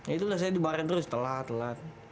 itulah saya dibaren terus telat telat